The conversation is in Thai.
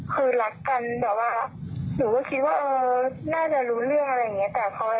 คือรักกันแบบว่าหนูก็คิดว่าเออน่าจะรู้เรื่องอะไรอย่างนี้